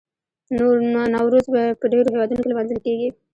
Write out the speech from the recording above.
نوروز په ډیرو هیوادونو کې لمانځل کیږي.